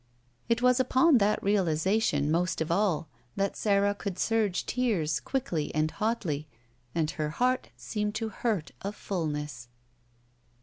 It was upon that realization, most of all, that Sara could surge tears, quickly and hotly, and her heart seem to hurt of f tdlness.